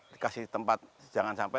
dikasih tempat jangan sampai